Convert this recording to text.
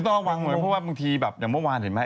ต้องระวังหน่อยเพราะว่าบางทีแบบอย่างเมื่อวานเห็นไหม